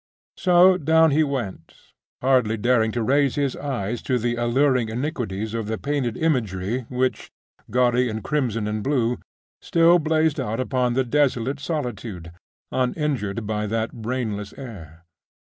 So down he went, hardly daring to raise his eyes to the alluring iniquities of the painted imagery which, gaudy in crimson and blue, still blazed out upon the desolate solitude, uninjured by that rainless air.